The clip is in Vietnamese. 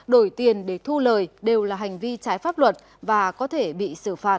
đổi tiền để thu lời đều là hành vi trái pháp luật và có thể bị xử phạt